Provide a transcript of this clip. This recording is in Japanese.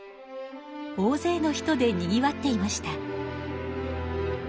大ぜいの人でにぎわっていました。